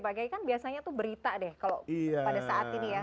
bagaimana biasanya itu berita pada saat ini